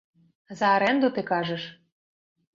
За арэнду, ты кажаш?